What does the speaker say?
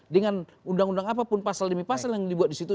dengan undang undang apapun pasal demi pasal yang dibuat di situ